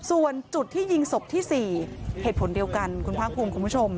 ส่วนจุดที่ยิงศพที่๔เหตุผลเดียวกันคุณภาคภูมิคุณผู้ชม